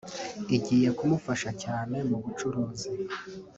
Igiye kumfasha cyane mu bucuruzi